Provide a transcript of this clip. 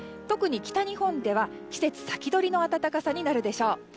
特に北日本では季節先取りの暖かさになるでしょう。